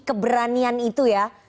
keberanian itu ya